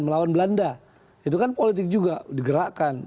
melawan belanda itu kan politik juga digerakkan